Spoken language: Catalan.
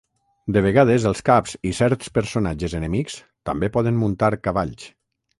De vegades, els caps i certs personatges enemics també poden muntar cavalls.